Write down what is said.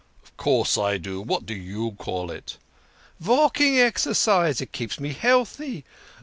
" Of course I do. What do you call it? "" Valking exercise. It keeps me healty.